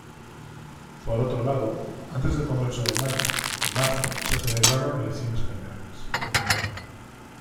Por otro lado, antes del Congreso de mayo, en marzo, se celebraron elecciones generales.